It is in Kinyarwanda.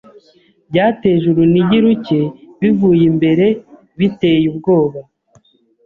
byateje urunigi ruke bivuye imbere biteye ubwoba